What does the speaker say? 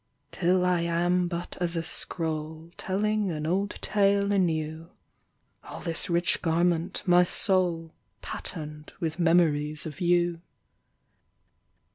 Till I am but as a scroll Telling an old tale anew. All this rich garment, my soul. Patterned with memories of you.